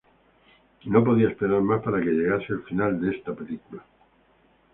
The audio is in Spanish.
No podía esperar más para que llegase el final de esta película".